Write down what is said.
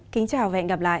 kính chào và hẹn gặp lại